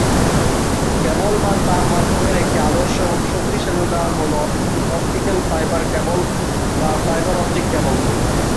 Cable বা তার মাধ্যমের একটি আদর্শ এবং শক্তিশালী উদাহরণ হলো অপটিক্যাল ফাইবার কেবল বা ফাইবার অপটিক ক্যাবল।